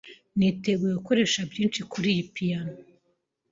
Niteguye gukoresha byinshi kuri piyano.